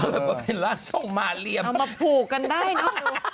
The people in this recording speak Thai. เอามาผูกกันได้โน่